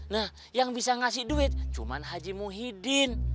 nah yang bisa ngasih duit cuma haji muhyiddin